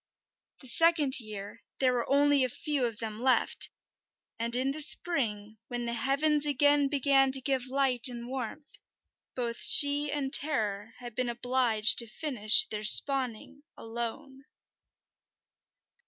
The second year there were only a few of them left, and in the spring, when the heavens again began to give light and warmth, both she and Terror had been obliged to finish their spawning alone.